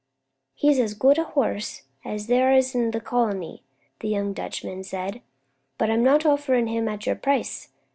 "He's as good a horse as there is in the colony," the young Dutchman said; "but I am not offering him at your price.